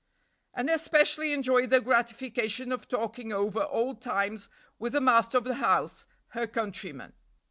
and especially enjoy the gratification of talking over old times with the master of the house, her countryman.'